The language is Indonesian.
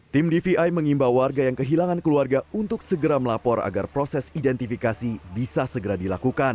tim dvi mengimbau warga yang kehilangan keluarga untuk segera melapor agar proses identifikasi bisa segera dilakukan